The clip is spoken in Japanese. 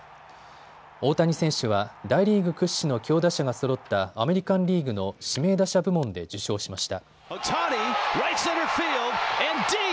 大谷選手は大リーグ屈指の強打者がそろったアメリカンリーグの指名打者部門で受賞しました。